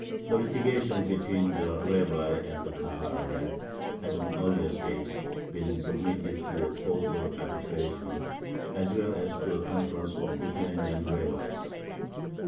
The litigation between the Rabbi and the Kahal had, at an earlier stage, been submitted to a court of arbitration as well as to a conference of Lithuanian rabbis.